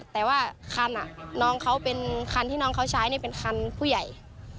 แต่ว่าคันน้องเขาเป็นคันที่น้องเขาใช้นี่เป็นคันผู้ใหญ่